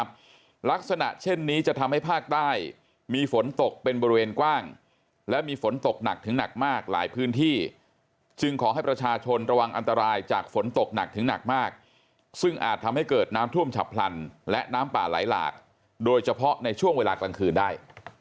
ลักษณะเช่นนี้จะทำให้ภาคใต้มีฝนตกเป็นบริเวณกว้างและมีฝนตกหนักถึงหนักมากหลายพื้นที่จึงขอให้ประชาชนระวังอันตรายจากฝนตกหนักถึงหนักมากซึ่งอาจทำให้เกิดน้ำท่วมฉับพลันและน้ำป่าไหลหลากโดยเฉพาะในช่วงเวลากลางคืนได้